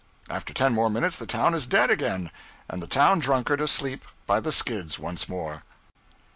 After ten more minutes the town is dead again, and the town drunkard asleep by the skids once more.